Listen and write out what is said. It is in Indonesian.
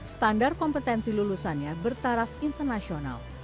standar kompetensi lulusannya bertaraf internasional